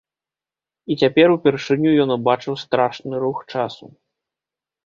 І цяпер упершыню ён убачыў страшны рух часу.